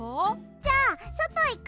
じゃあそといく！